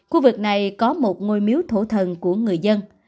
khu vực này có một ngôi miếu thủ thần của người dân